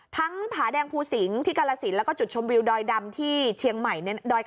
ผาแดงภูสิงที่กาลสินแล้วก็จุดชมวิวดอยดำที่เชียงใหม่